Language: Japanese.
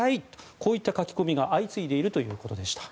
こういった書き込みが相次いでいるということでした。